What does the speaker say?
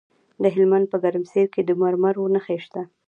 د هلمند په ګرمسیر کې د مرمرو نښې شته.